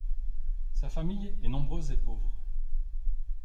Sa famille est nombreuse et pauvre.